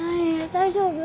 大丈夫？